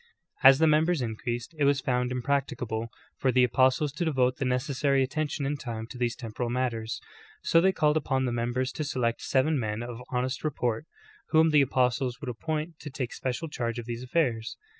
As the members increased, it was found impracticable for the apostles to devote the neces sary attention and time to these temporal matters, so they called upon the members to select seven men of honest re port, whom the apostles would appoint to take special charge of these aflfairs.